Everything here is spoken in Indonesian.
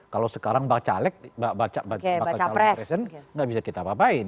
kalau sekarang baca lek baca pres nggak bisa kita apa apain